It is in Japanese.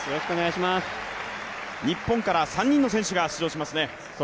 日本から３人の選手が出場しますね